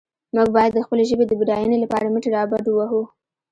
موږ باید د خپلې ژبې د بډاینې لپاره مټې رابډ وهو.